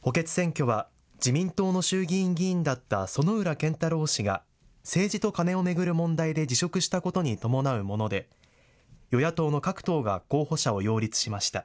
補欠選挙は自民党の衆議院議員だった薗浦健太郎氏が政治とカネを巡る問題で辞職したことに伴うもので与野党の各党が候補者を擁立しました。